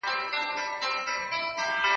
ښه اخلاق تل عزت لري